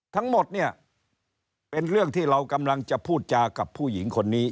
ทั้งหมดเนี่ยเป็นเรื่องที่เรากำลังจะพูดจากับผู้หญิงคนนี้